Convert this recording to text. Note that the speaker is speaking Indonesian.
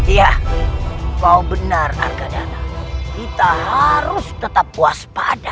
iya kau benar arkadana kita harus tetap puas pada